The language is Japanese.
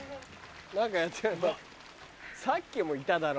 何かやってるぞさっきもいただろう。